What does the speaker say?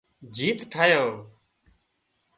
جيت ٺاهيان